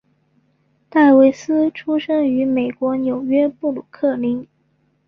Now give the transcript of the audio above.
戴维斯出生于美国纽约布鲁克林。